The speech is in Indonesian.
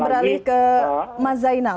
beralih ke mas zainal